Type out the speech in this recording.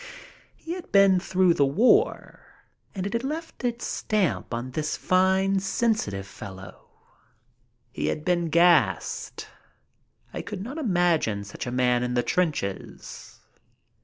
He had been through the war and it had left its stamp on this fine, sensitive soul. He had been gassed. I could not imagine such a man in the trenches.